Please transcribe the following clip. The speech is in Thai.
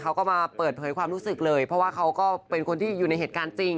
เขาก็มาเปิดเผยความรู้สึกเลยเพราะว่าเขาก็เป็นคนที่อยู่ในเหตุการณ์จริง